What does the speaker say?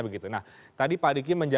begitu nah tadi pak diki